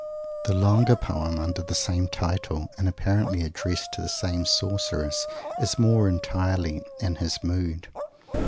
The longer poem under the same title, and apparently addressed to the same sorceress, is more entirely "in his mood."